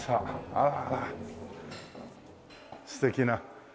ああ素敵な。